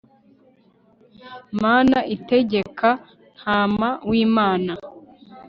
mana itegeka, ntama w'imana